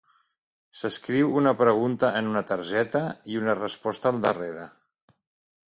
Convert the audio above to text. S'escriu una pregunta en una targeta i una resposta al darrere.